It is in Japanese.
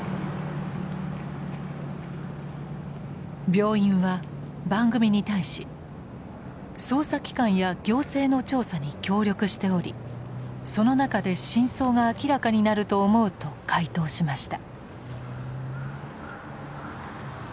病院は番組に対し捜査機関や行政の調査に協力しておりその中で真相が明らかになると思うと回答しました。